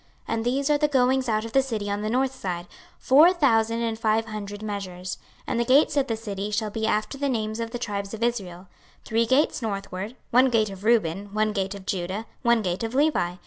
26:048:030 And these are the goings out of the city on the north side, four thousand and five hundred measures. 26:048:031 And the gates of the city shall be after the names of the tribes of Israel: three gates northward; one gate of Reuben, one gate of Judah, one gate of Levi.